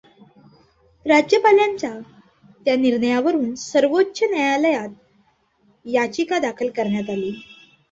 राज्यपालांच्या त्या निर्णयाविरुद्ध सर्वोच्च न्यायालयात याचिका दाखल करण्यात आली.